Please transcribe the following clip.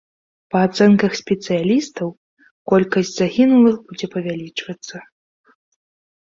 Па ацэнках спецыялістаў, колькасць загінулых будзе павялічвацца.